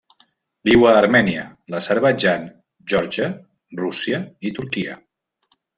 Viu a Armènia, l'Azerbaidjan, Geòrgia, Rússia i Turquia.